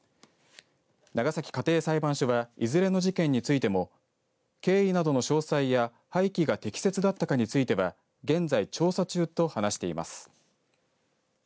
長崎家庭裁判所はいずれの事件についても経緯などの詳細や廃棄が適切だったかについては現在調査中と話しています。